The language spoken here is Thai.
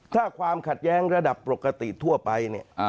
ถ้าความขัดแย้งระดับปกติทั่วไปเนี่ย